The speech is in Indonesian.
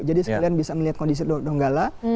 jadi sekalian bisa melihat kondisi donggala